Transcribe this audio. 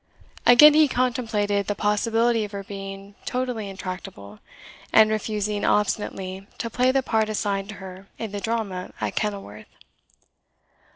Again he contemplated the possibility of her being totally intractable, and refusing obstinately to play the part assigned to her in the drama at Kenilworth.